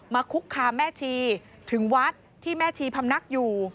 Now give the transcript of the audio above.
คุกคามแม่ชีถึงวัดที่แม่ชีพำนักอยู่